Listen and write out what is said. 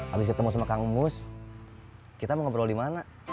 habis ketemu sama kang mus kita mau ngobrol di mana